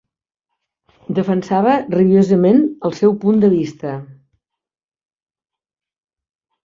Defensava rabiosament el seu punt de vista.